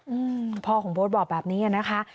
อืมพ่อของโบ๊ทบอกแบบนี้อ่ะนะคะ